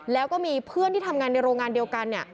แล้วก็มีเพื่อนที่ทำงานในโรงงานเดียวกันเนี่ย